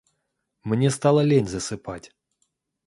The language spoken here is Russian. Мне стало лень засыпать.